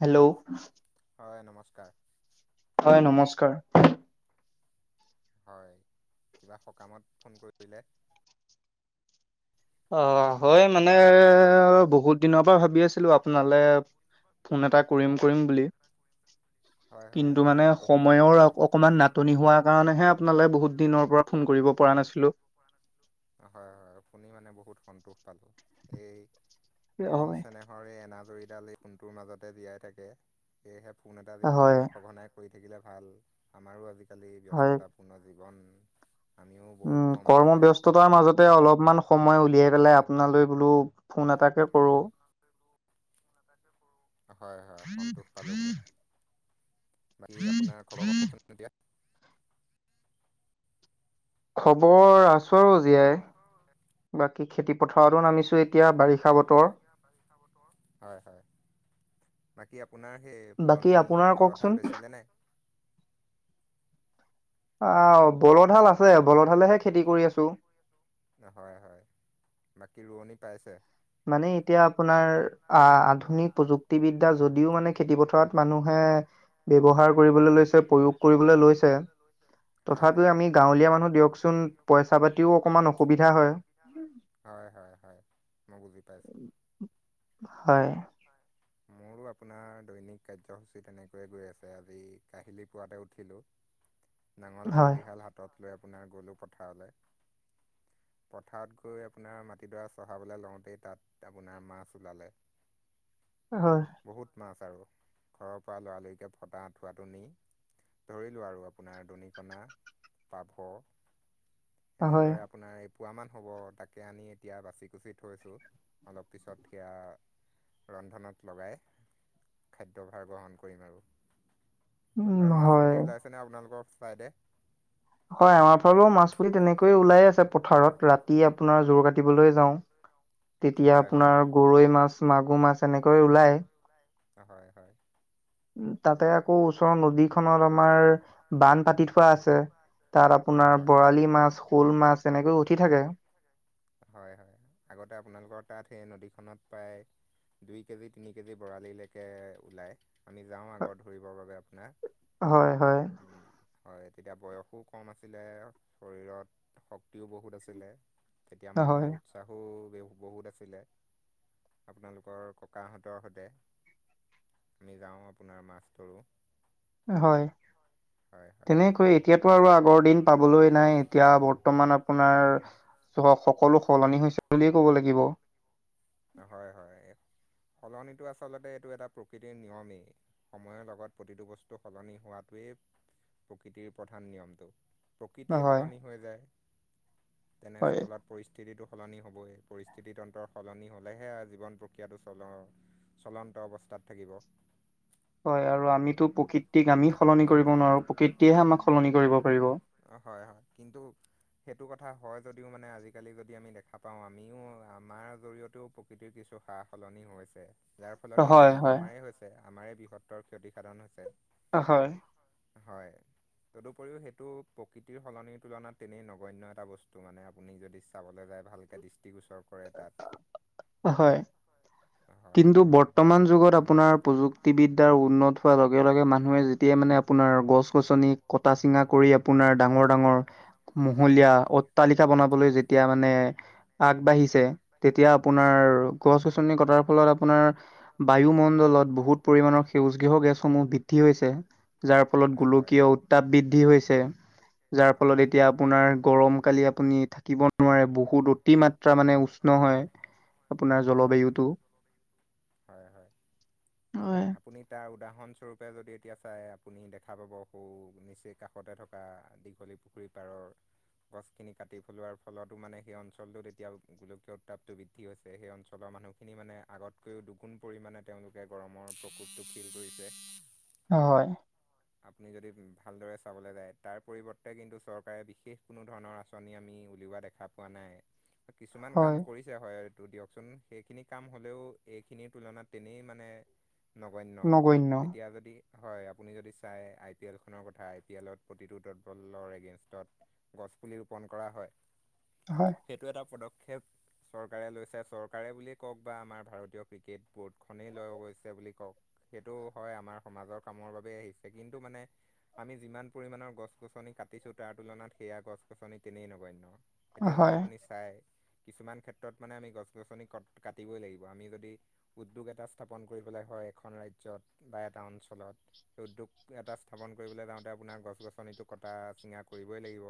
Hello! হয়, নমস্কাৰ। হয়, নমস্কাৰ। হয়, কিবা সকামত ফোন কৰিছিলে? অ', হয় মানে বহুত দিনৰ পৰা ভাবি আছিলো, আপোনালে ফোন এটা কৰিম, কৰিম বুলি, হয় হয় কিন্তু বহুত মানে সন্তোষ পালোঁ সময়ৰ শুনি। অ', অ' সময়ৰ নাটনি হোৱাৰ কাৰণেহে আপোনালৈ বহুত দিনৰ পৰা ফোন কৰিব পৰা নাছিলোঁ। হয়, হয়। অ', শুনি মানে বহুত সন্তোষ পালোঁ, এই মৰম চেনেহ হয় এই এনাজৰীডাল, এই ফোনটোৰ মাজতে জীয়াই থাকে, সেয়েহে ফোন এটা যিমান হয় পাৰে সঘনাই কৰি থাকিলে ভাল, আমাৰো আজিকালি হয়। ব্যস্ততাপূৰ্ণ জীৱন। আমিও বহুত উম, কমকৈ টাইম কৰ্মব্যস্ততাৰ মাজতে অলপমান সময় উলিয়াই পেলাই আপোনালৈ বোলো ফোন এটাকে কৰোঁ। [unintelligible] হয়, হয়। সন্তোষ পালোহি। বাকী আপোনাৰ খবৰ কওঁকচোন এতিয়া? খবৰ আছোঁ আৰু জীয়াই। বাকী খেতি পথাৰতো নামিছোঁ এ [unintelligible] হয়, হয়। বাকী আপোনাৰ সেই পুৰণি বলধহাল বেচিলেনে নাই? আ বলধহাল আছে, বলধহালেহে খেতি কৰি আছোঁ। হয়, হয়। বাকী ৰোৱনি পাইছে? মানে এতিয়া আপোনাৰ আ-আধুনিক প্ৰযুক্তিবিদ্যা যদিও মানে খেতি পথাৰত মানুহে ব্যৱহাৰ কৰিবলৈ লৈছে, প্ৰয়োগ কৰিবলৈ লৈছে, হয় তথাপি হয় আমি গাঁৱলীয়া মানুহ দিয়কচোন পইচা-পাতিও অকণমান অসুবিধা হয়। হয়, হয়, হয়। মই বুজি পাইছোঁ। হয়। মোৰো আপোনাৰ দৈনিক কাৰ্যসূচী তেনেকৈয়ে গৈ আছে আজি কাহিলী পুৱাতে উঠিলোঁ। [inaudible] নাঙল হয়, যুৱলিহাল হাতত লৈ আপোনাৰ গ'লোঁ পথাৰলে। পথাৰত গৈ আপোনাৰ মাটিডৰা চহাবলৈ লওঁতেই তাত আপোনাৰ মাছ ওলালে। হয়। বহুত মাছ আৰু। ঘৰৰ পৰা লৰা-লৰিকে ফটা আঠোৱাটো নি ধৰিলো আৰু আপোনাৰ দনিকণা, পাভ, হয়। এনেদৰে আপোনাৰ এপুৱামান হ'ব, তাকে আনি এতিয়া বাচি কুচি থৈছোঁ। অলপ পিছত সেয়া ৰন্ধনত লগাই, খাদ্যভাৰ গ্ৰহণ কৰিম আৰু। উম, বাৰু মাছ হয়। পুঠি ওলাইছেনে আপোনালোকৰ ফ্ৰাইডে? হয়, আমাৰ ফালেও মাছ পুলি তেনেকৈয়ে ওলাই আছে পথাৰত ৰাতি আপোনাৰ জোৰ কাটিবলৈ যাওঁ। তেতিয়া হয় হয়। আপোনাৰ গৰৈ মাছ, মাগুৰ মাছ এনেকৈ ওলাই। অ', হয়, হয়। উম, তাতে আকৌ ওচৰৰ নদীখনৰ আমাৰ বান পাতি থোৱা আছে, তাত আপোনাৰ হয় হয়। বৰালি মাছ, শ'ল মাছ তেনেকৈ উঠি থাকে। থাকে। হয়, হয়। আগতে আপোনালোকৰ তাত সেই নদীখনত প্ৰায় দুই কেজি, তিনি কেজি বৰালিলৈকে ওলায়। আমি যাওঁ আগত ধৰিবৰ বাবে আপোনাৰ। হয়-হয়। উম, হয়। তেতিয়া বয়সো কম আছিলে, শৰীৰত শক্তিও বহুত আছিলে। তেতিয়া হয়, মনৰ উৎস উংসাহো বে-বহুত আছিলে, আপোনালোকৰ ককাহঁতৰ সৈতে। আমি যাওঁ আপোনাৰ মাছ ধৰোঁ। অ', হয়। হয় হয় তেনেকৈয়ে এতিয়াতো আৰু আগৰ দিন পাবলৈ নাই, এতিয়া বৰ্তমান আপোনাৰ স-সকলো সলনি হৈছে বুলিয়ে ক'ব লাগিব। হয়, হয়। সলনিটো আচলতে এইটো এটা প্ৰকৃতিৰ নিয়মেই। সময়ৰ লগত প্ৰতিটো বস্তু সলনি হোৱাটোৱেই, প্ৰকৃতিৰ প্ৰধান নিয়মটো। প্ৰকৃতিয়ে হয়, সলনি হৈ যায়, হয়, তেনেস্থলত পৰিস্থিতিটো সলনি হ'বই, পৰিস্থিতি তন্ত্ৰৰ সলনি হ' হলেহে আ জীৱন প্ৰক্ৰিয়াটো চল, চলন্ত অৱস্থাত থাকিব। হয় আৰু আমিতো প্ৰকৃতিক আমি সলনি কৰিব নোৱাৰো, প্ৰকৃতিয়েহে আমাক সলনি কৰিব পাৰিব। অ হয় হয় কিন্তু সেইটো কথা হয় যদিও মানে আজিকালি যদি আমি দেখা পাওঁ আমিও আমাৰ জৰিয়তেও প্ৰ প্ৰকৃতিৰ কিছু সা-সলনি হৈছে। যাৰ ফলত হয়, ক্ষতিটো হয়, আমাৰেই হৈছে, আমাৰে বৃহত্তৰ ক্ষতিসাধন হৈছে। হয়। হয় তদুপৰিও সেইটো প্ৰকৃতিৰ সলনিৰ তুলনাত তেনেই নগন্য এটা বস্তু মানে আপুনি যদি চাবলৈ যায় ভালকে দৃষ্টিগোচৰ কৰে তাত হয় হয় কিন্তু বৰ বৰ্তমান যুগত আপোনাৰ প্ৰযুক্তিবিদ্যাৰ উন্নত হোৱাৰ লগে লগে মানুহে যেতিয়াই মানে আপোনাৰ গছ গছনি কটা চিঙা কৰি আপোনাৰ ডাঙৰ ডাঙৰ মহলীয়া অট তালিকা বনাবলৈ যেতিয়া মানে আগবাঢ়ি ছে, তেতিয়া আপোনাৰ গছ গছনি কটাৰ ফলত আপোনাৰ বায়ু মন লত বহুত পৰিমাণৰ সেউজগৃহ গেছসমূহ বৃদ্ধি হৈছে যাৰ ফলত হয় গোলকীয় তাপ বৃদ্ধি হৈছে, যাৰ ফলত হয় এতিয়া আপোনাৰ গৰম কালি আপুনি থাকিব নোৱাৰে বহুত অতি মাত্ৰা মানে উষ্ণ হয়। আপোনাৰ হয় জলবায়ুটো। হয় হয়। হয়। আপুনি তাৰ উদাহৰণ স্বৰূপে যদি এতিয়া চাই আপুনি দেখা পাব সৌ নিচেই কাষতে থকা দীঘলী পুখুৰী পাৰৰ গছখিনি কাটি পেলোৱাৰ ফলতো মানে সেই অঞ্চলটোত এতিয়া গোলকীয় উত্তাপটো বৃ দ্ধি হৈছে, সেই অঞ্চলৰ মানুহখিনি মানে আগতকৈও দুগুণ পৰিমাণে তেওঁলোকে গৰম মৰ প্ৰকোপটো ফিল কৰিছে। অ হয়। আপুনি যদি ভালদৰে চাবলে যায় তাৰ পৰিৱৰ্তে কিন্তু চৰকাৰে বিশেষ কোনো ধৰণৰ আঁচনি আমি উলিওৱা দেখা দেখা পোৱা নাই, কিছুমান হয়, কাম কৰি হয় এইটো দিয়কচোন, সেইখিনি কাম হলেও এইখিনিৰ তুলনাত তেনেই মানে নগন্য, নগন্য। এতিয়া যদি হয় আপুনি যদি চাই আই পি এল খনৰ কথা, আই পি এলত প্ৰতিটো দট বলৰ এগেইনষ্টত গছপুলি ৰোপণ কৰা হয়। হয়, সেইটো এটা পদক্ষেপ চৰকাৰে লৈছে, চৰকাৰে বুলিয়েই কওক বা আমাৰ ভাৰতীয় ক্ৰিকেট বোৰ্ডখনেই লৈ গৈছে বুলি কওক। সেইটো হয় আমাৰ সমাজৰ কামৰ বাবেই আহিছে, কিন্তু মানে আমি যিমান পৰিমাণৰ গছ গছনি কাটিছোঁ তাৰ তুলনাত সেয়া গছ গছনি তেনেই নগণ্য। এতিয়া যদি হয়, আপুনি চাই কিছুমান ক্ষেত্ৰত মানে আমি গছ গছনি ক কাটিবই লাগিব আমি যদি উদ্যোগ এটা স্থাপন কৰিবলৈ হয় এখন ৰাজ্যত বা এটা অঞ্চলত, সেই উদ্যোগ এটা স্থাপন কৰিবলে যাওঁতে আপোনাৰ গছ গছনিটো কটা চিঙা কৰিবই লাগিব।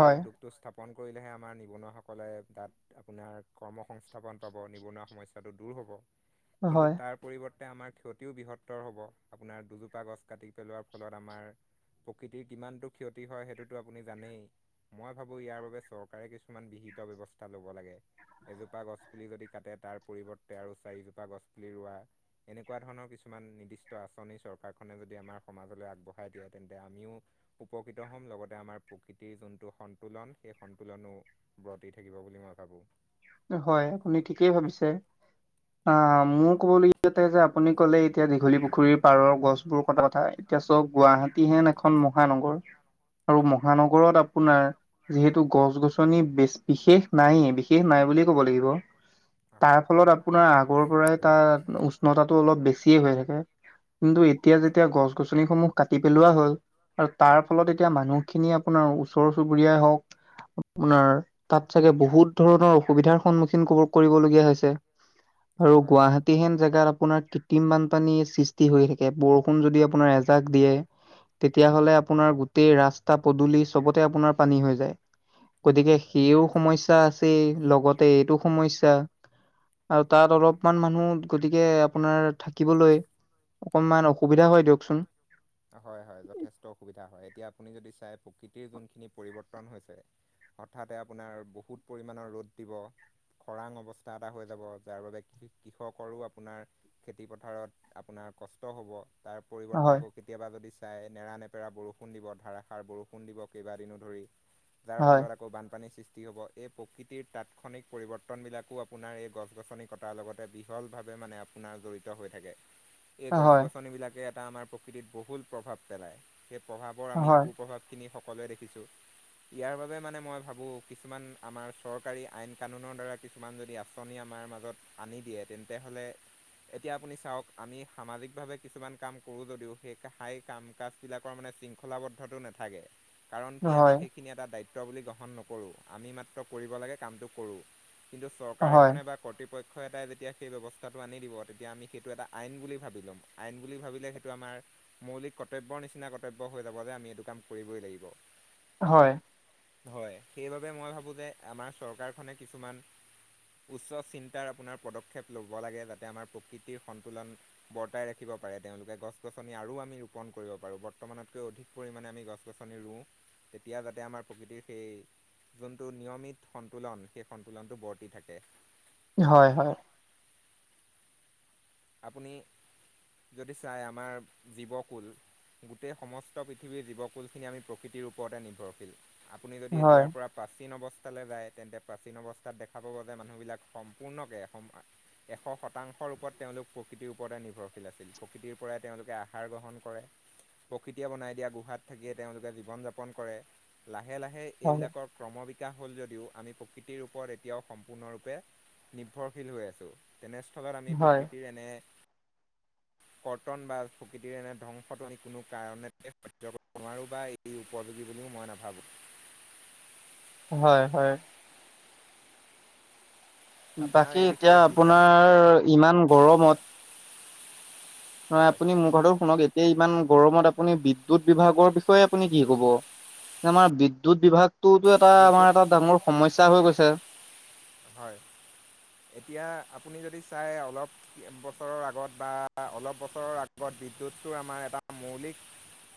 সেই উদ্যোগটো স্থাপন কৰিলেহে আমাৰ নিবনুৱা সকলে তাত আপোনাৰ কৰ্ম সংংস্থাপন পাব, নিবনুৱা সমস্যাটো দূৰ হ'ব। কিন্তু হয়, তাৰ পৰিৱৰ্তে আমাৰ ক্ষতিও বৃহত্তৰ হ'ব, আপোনাৰ দুজোপা গছ কাটি পেলোৱাৰ ফলত আমাৰ প্ৰকৃতিৰ কিমানটো ক্ষতি হয় সেইটোতো আপুনি জানেই। মই ভাবোঁ ইয়াৰ বাবে চৰকাৰে কিছুমান বিহিত ব্যৱস্থা ল'ব লাগে। এজোপা গছ পুলি যদি কাটে তাৰ পৰিৱৰ্তে আৰু চাৰিজোপা গছ পুলি ৰোৱা এনেকুৱা ধৰণৰ কিছুমান নিৰ্দিষ্ট আঁচনি চৰকাৰখনে যদি যদি আমাৰ সমাজলৈ আগবঢ়াই দিয়ে তেন্তে আমিও উপকৃত হ'ম লগতে আমাৰ প্ৰকৃতিৰ যোনটো সন্তুলন সেই সন্তুলনো ব্ৰতি থাকিব বুলি মই ভাবোঁ হয় আপুনি ঠিকেই ভাবিছে অ মোৰ ক'বলগীয়াতে যে আপুনি ক'লে এতিয়া দীঘলী পুখুৰীৰ পাৰৰ গছবোৰ কটা কথা এতিয়া চব গুৱাহাটী হেন এখন মহানগৰ আৰু হয় মহানগৰত আপোনাৰ যিহেতু গছ গছনি বেছি বিশেষ নাইে বিশেষ নাই [unintelligible] লাগিব হয় হয় তাৰফলত আপোনাৰ আগৰ পৰাই তাত উষ্ণ আমাৰ তাটো অলপ বেছিয়ে হৈ থাকে কিন্তু এতিয়া যেতিয়া গছ গছনিসমূহ কাটি পেলোৱা হ'ল আৰু তাৰ ফলত এতিয়া মানুহ খিনি আপোনাৰ ওচৰ চুবুৰীয়াই হওক আপোনাৰ তাত চাগে বহুত ধৰণৰ সুবিধাৰ সন্মুখীন কব কৰিবলগীয়া হৈছে আৰু হওক গুৱাহাটী কৃতিহেন জেগাত আপোনাৰ কৃত্ৰিম বানপানীৰ সৃষ্টি হৈ থাকে বৰষুণ যদি আপোনাৰ এজাক দিয়ে তেতিয়াহলে আপোনাৰ গোটেই ৰাস্তা পদূলি চবতে আপোনাৰ পানী হৈ যায়। হয় গতিকে হয় সেইও সমস্যা আছে লগতে এইটো সমস্যা। আৰু তাত অলপমান মানুহ গতিকে আপোনাৰ থাকিবলৈ অকনমান অসুবিধা হয় দিয়কচোন। হয় হয় যথেষ্ট অসুবিধা হয় এতিয়া আপুনি যদি চাই প্ৰকৃতিৰ যোনখিনি পৰিৱৰ্তন হৈছে হঠাতে আপোনাৰ বহুত পৰিমাণৰ ৰ'দ দিব। খৰাং অৱস্থা এটা হৈ যাব যাৰ বাবে কৃষকৰো আপোনাৰ খেতি পথাৰত আপোনাৰ কষ্ট হ'ব তাৰ পৰিৱৰ্তে হয় আকৌ কেতিয়াবা যদি চাই নেৰা নেপেৰা বৰষুণ দিব ধাৰষাৰ বৰষুণ দিব কেইবাদিনো ধৰি। যাৰ হয় ফলত আকৌ বানপানীৰ সৃষ্টি হ'ব এই প্ৰকৃতিৰ তাৎক্ষণিক পৰিৱৰ্তনবিলাকো আপোনাৰ এই গছ গছনি কটাৰ লগতে বিহলভাৱে মানে আপোনাৰ জৰিত হৈ থাকে। [inaudible] এই গছ গছনিবিলাকে এটা আমাৰ প্ৰকৃতিত বহুল প্ৰভাৱ পেলায় সেই প্ৰভাৱৰ আমি হয় কু প্ৰভাৱ খিনি সকলোৱে দেখিছোঁ। ইয়াৰ বাবে মানে মই ভাবো কিছুমান আমাৰ চৰকাৰী আইন কানুনৰ দ্বাৰা কিছুমান যদি আঁচনি আমাৰ মাজত আনি দিয়ে তেন্তে হলে এতিয়া আপুনি চাওক আমি সামাজিকভাৱে কিছুমান কাম কৰো যদিও সেইষ হাই কাম কাজবিলাকৰ মানে শৃংখলাবদ্ধতটো নাথাকে কাৰণ কি আমি হয় সেই খিনি এটা দায়িত্ব বুলি গ্ৰহণ নকৰোঁ আমি মাত্ৰ কৰিব লাগে কামটো কৰোঁ। কিন্তু হয় চৰকাৰ হয় এখনে বা কৰ্তৃপক্ষ ক্ষতাই যেতিয়া সেই ব্যৱস্থাটো আনি দিব তেতিয়া আমি সেইটো এটা আইন বুলি ভাবি ল'ম আইন বুলি ভাবিলে সেইটো আমাৰ মৌলিক কৰ্তব্যৰ নিচিনা কৰ্তব্য হৈ যাব যে আমি এইটো কাম কৰিবই লাগিব। হয়। হয় সেইবাবে মই ভাবোঁ যে আমাৰ চৰকাৰখনে কিছুমান উচ্চ চিন্তাৰ আপোনাৰ পদক্ষেপ ল'ব লাগে যাতে আমাৰ প্ৰকৃতিৰ সন্তুলন বৰ্তাই ৰাখিব পাৰে তেওঁলোকে গছ গছনি আৰু আমি ৰোপণ কৰিব পাৰোঁ বৰ্তমানতকৈ অধিক পৰিমাণে আমি গছ গছনি ৰুওঁ। তেতিয়া যাতে আমাৰ প্ৰকৃতিৰ সেই যোনটো নিয়মিত সন্তুলন সেই সন্তুলনটো বৰ্তি থাকে। হয় হয়। আপুনি যদি চাই আমাৰ জীৱ কুল। গোটেই সমস্ত পৃথিৱীৰ জীৱকুলখিনি আমি প্ৰকৃতিৰ ওপৰতে নিৰ্ভৰশীল, আপুনি যদি হয় এতিয়াৰ পৰা প্ৰাচীন অৱস্থালৈ যায়, তেন্তে প্ৰাচীন অৱস্থাত দেখা পাব যে, মানুহবিলাক সম্পূৰ্ণকে সম এশ শতাংশ ৰূপত তেওঁলোক প্ৰকৃতিৰ ওপৰতে নিৰ্ভৰশীল আছিল। প্ৰকৃতিৰ পৰাই তেওঁলোকে আহাৰ গ্ৰহণ কৰে। প্ৰকৃতিয়ে বনাই দিয়া গুহাত থাকিয়ে তেওঁলোকে জীৱন যাপন কৰে। লাহে লাহে হয় এইবিলাকৰ ক্ৰম বিকাশ হ'ল যদিও, আমি প্ৰকৃতিৰ ওপৰত এতিয়াও সম্পূৰ্ণৰূপে নিৰ্ভৰশীল হৈ আছোঁ। তেনেস্থলত আমি হয় প্ৰকৃতিৰ এনে [inaudible] কৰ্তন বা প্ৰকৃতিৰ এনে ধ্বংসটো আমি কোনো কাৰণতে সহ্য কৰিব নোৱাৰো বা ই উপযোগী বুলিও মই নাভাবোঁ। হয়, হয়। আপোনাৰ বাকী এই এতিয়া বিষয়ত বিশ্বাস আপোনাৰ ইমান গৰমত নহয় হয় আপুনি মোৰ কথাটো শুনক, এতিয়া ইমান গৰমত আপুনি বিদুৎ বিভাগৰ বিষয়ে আপুনি কি কব? আমাৰ বিদ্যুৎ বিভাগতোটোও এটা বিদ্যুৎ আমাৰ এটা ডাঙৰ সমস্যা হৈ গৈছে। হয়। এতিয়া আপুনি যদি চাই অলপ বছৰৰ আগত বা অলপ বছৰৰ আগ গত, বিদ্যুতটো আমাৰ এটা মৌলিক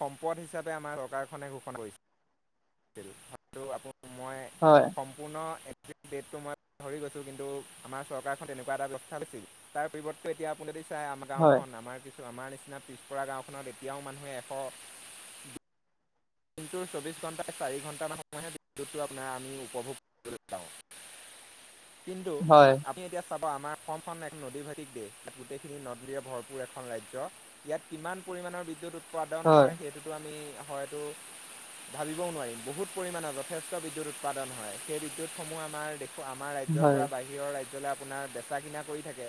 সম্পদ হিচাপে আমাৰ চৰকাৰখনে ঘোষণা কৰিছল। [unintelligible] আপুনি ময়ে হয়। সম্পূৰ্ণ [inaudible] ডেটটো মই পাহৰি গৈছোঁ, কিন্তু আমাৰ চৰকাৰখন তেনেকুৱা এটা ব্যৱস্থাত আছিল, তাৰ পৰিৱৰ্তন এতিয়া আপুনি যদি চাই আমাৰ হয় গাঁওখন আমাৰ কিছু আমাৰ নিচিনা পিছপৰা গাঁওখনত এতিয়াও মানুহে এশ দিনটোৰ চৌব্ববিছ ঘণ্টা চাৰি ঘণ্টামান সময়হে বিদ্যুৎটো আপোনাৰ আমি উপভোগ কৰিবলৈ পাওঁ। কিন্তু হয় আপ এতিয়া চাবা, আমাৰ অসমখন এক নদীভাটিক দেশ গোটেইখিনি নদবোৰে ভৰপূৰ এখন ৰাজ্য। ইয়াত কিমান পৰিমাণৰ বিদ্যুৎ উৎপাদন হয় সেইটোতো হয়তো, ভাবিবও নোৱাৰিম, বহুত পৰিমাণৰ যথেষ্ট বিদ্যুৎ উৎপাদন হয়, সেই বিদ্যুতসমূহ আমাৰ, দেশ - আমাৰ ৰাজ্যৰ হয় পৰা বাহিৰৰ ৰাজ্যলৈ আপোনাৰ বেচা কিনা কৰি থাকে,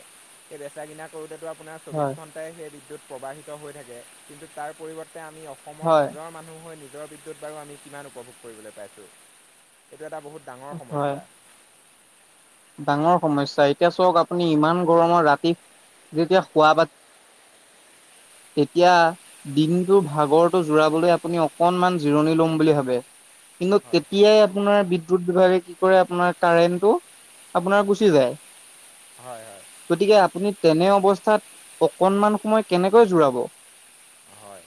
সেই বেচা কিনা কৰোঁতেতো আপোনাৰ চৌবিছ হয় ঘণ্টা,। সেই বিদ্যুৎ প্ৰবাহিত হৈ থাকে, কিন্তু তাৰ পৰিৱৰ্তে আমি অ অসমৰ হয় নিজৰ মানুহ হৈ, নিজৰ বিদ্যুৎ বাৰু আমি কিমান উপভোগ কৰিবলৈ পাইছোঁ, এইটো এটা বহুত ডাঙৰ হয় সমস্যা। ডাঙৰ সমস্যা, এতিয়া চাওক আপুনি ইমান গৰমৰ ৰাতি যেতিয়া শুৱা বাত তেতিয়া। দিনটোৰ ভাগৰটো জিৰাবলৈ আপুনি অকনমান জিৰণি লওঁ বুলি ভাবে। কিন্তু হয় তেতিয়াই আপোনাৰ বিদ্যুৎ বিভাগে কি কৰে, আপোনাৰ কাৰেণ্টটো আপোনাৰ গো কি যায়, হয় হয় গতিকে আপুনি তেনে অৱস্থাত অকনমান সময় কেনে কৈ জোৰাব? হয়।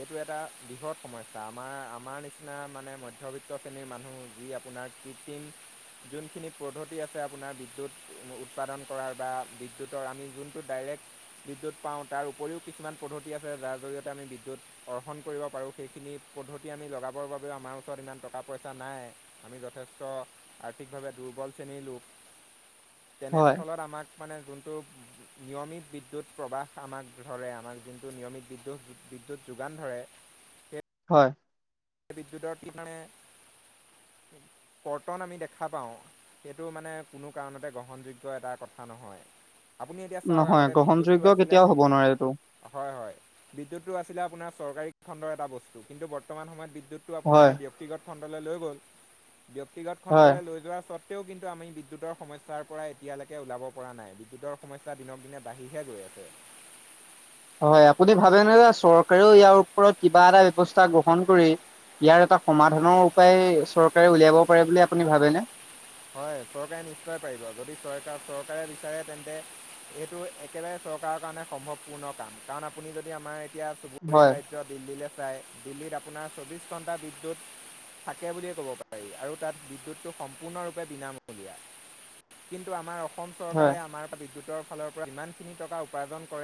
এইটো এটা বৃহৎ সমস্যা আমাৰ আমাৰ নিচিনা মানে মধ্যবিত্ত শ্ৰেণীৰ মানুহ, যি আপোনাৰ কৃত্ৰিম। যোনখিনি পদ্ধতি আছে আপোনাৰ বিদ্যুৎ উৎপাদন কৰাৰ বা বিদ্যুতৰ আমি যোনটো ডাইৰেক্ট বিদ্যুৎ পাওঁ তাৰ উপৰিও কিছুমান পদ্ধতি আছে যাৰ জৰিয়তে আমি বিদ্যুৎ অৰ্জন কৰিব পাৰোঁ, সেইখিনি পদ্ধতি আমি লগাবৰ বাবেও আমাৰ ওচৰত ইমান টকা-পইচা নাই। আমি যথেষ্ট আৰ্থিকভাৱে দুৰ্বল শ্ৰেণীৰ লোক। [unintelligible] হয় তেনেস্থলত আমাক মানে যোনটো নিয়মিত বিদ্যুৎ প্ৰবাহ আমাক ধৰে আমাক যোনটো নিয়মিত বিদ্যুৎ বিদ্যুত যোগান ধৰে, হয়। বিদ্যুতৰ [unintelligible] মানে কৰ্তন আমি দেখা পাওঁ। সেইটো মানে কোনো কাৰণতে গ্ৰহণযোগ্য এটা কথা নহয় আপুনি এতিয়া চাওক নহয় আগতে বিদ্যুৎটো গ্ৰহণযোগ্য আছিলে কেতিয়াও সম হ'ব নোৱাৰে এইটো হয় হয়, বিদ্যুতটো আছিলে আপোনাৰ চৰকাৰী খণ্ডৰ এটা বস্তু কিন্তু বৰ্তমান সময়ত বিদ্যুৎ, টো হয় আপোনাৰ ব্যক্তিগত খণ্ডলৈ লৈ গ'ল ব্যক্তিগত হয় খণ্ডলৈ লৈ যোৱাৰ চত ও কিন্তু আমি বিদ্যুতৰ সমস্যাৰ পৰা এতিয়ালৈকে ওলাব পৰা নাই। বিদ্যুতৰ সমস্যা দিনক দিনে বাঢ়িহে গৈ আছে। হয় আপুনি ভাবেনে যে চৰকাৰেও ইয়াৰ ওপৰত কিবা এটা ব্যবস্থা গ্ৰহণ কৰি, ইয়াৰ এটা সমাধানৰ উপায় চৰকাৰে উলিয়াব পাৰে বুলি আপুনি ভাবেনে? হয় চৰকাৰে নিশ্চয় পাৰিব যদি চৰকাৰ চৰকাৰে বিচাৰে তেন্তে এইটো একেবাৰে চৰকাৰক, কাৰণে সম্ভৱপূৰ্ণ কাম। কাৰণ আপুনি যদি আমাৰ এতিয়া চুবুৰীয়া হয় ৰাজ্য দিল্লীলে চাই দিল্লীত আপোনাৰ চৌবিশ ঘণ্টা বিদ্যুৎ, থাকে বুলিয়ে ক'ব পাৰি আৰু তাত বিদ্যুতটো সম্পূৰ্ণৰূপ পে বিনামূলীয়া কিন্তু আমাৰ অসম হয় চৰকাৰে আমাৰ পৰা বিদ্যুতৰ ফালৰ ইমান খিনি টকা উপাৰ্জন কৰে